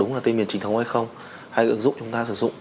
cũng tpd milli con người thường không nhận được